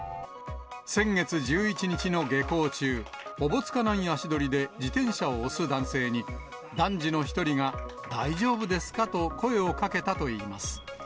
先月１１日の下校中、おぼつかない足取りで自転車を押す男性に、男児の１人が大丈夫ですかと声をかけたといいます。